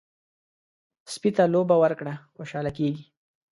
سپي ته لوبه ورکړه، خوشحاله کېږي.